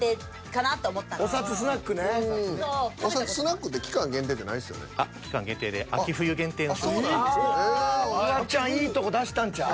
フワちゃんいいとこ出したんちゃう？